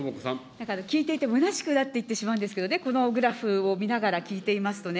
だから聞いていて、むなしくなっていってしまうんですけどね、このグラフを見ながら聞いていますとね。